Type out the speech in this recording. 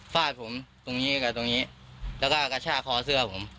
ฟาดผมตรงนี้กับตรงนี้แล้วก็กระชากคอเสื้อผม